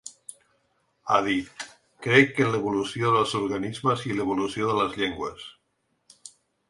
Ha dit: Crec en l’evolució dels organismes i l’evolució de les llengües.